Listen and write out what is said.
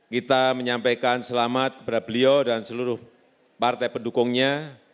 kita menyampaikan selamat kepada beliau dan seluruh partai pendukungnya